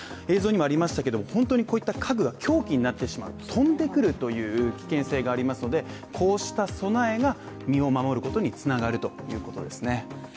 映像にもありましたが、こういった家具は凶器になってしまう、飛んでくるという危険性がありますのでこうした備えが身を守ることにつながるということです。